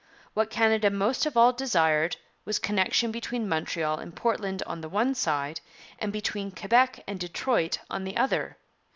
What Canada most of all desired was connection between Montreal and Portland on the one side and between Quebec and Detroit on the other.